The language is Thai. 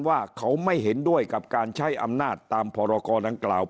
ว่าเขาไม่เห็นด้วยกับการใช้อำนาจตามพรกรดังกล่าว